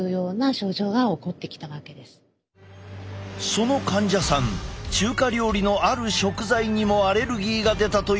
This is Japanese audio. その患者さん中華料理のある食材にもアレルギーが出たというのだ。